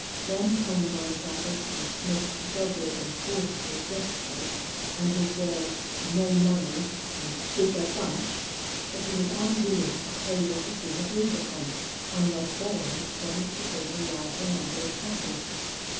Then Columbine gathered from Smith's dogged and forceful gestures, and his words, "no money" and "bigger bunch," that he was unwilling to pay what had been agreed upon unless Belllounds promised to bring a larger number of cattle.